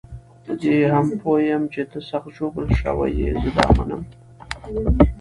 په دې هم پوه یم چې ته سخت ژوبل شوی یې، زه دا منم.